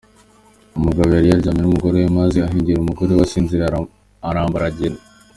Umugabo yari aryamanye n’umugore we, maze ahengera umugore asinziriye arambara aragenda.